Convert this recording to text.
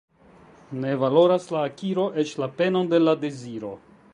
Ne valoras la akiro eĉ la penon de la deziro.